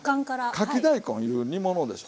かき大根いう煮物でしょ。